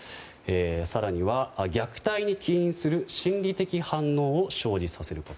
更には、虐待に起因する心理的反応を生じさせること。